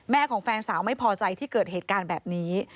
ของแฟนสาวไม่พอใจที่เกิดเหตุการณ์แบบนี้